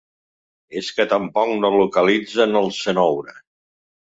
És que tampoc no localitzen el Cenoura.